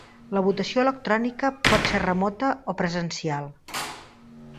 La votació electrònica pot ser remota o presencial.